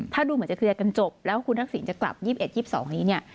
ถ้าดูเหมือนจะเคลียร์กันจบแล้วคุณทักษิณจะกลับ๒๑๒๒นี้เนี่ย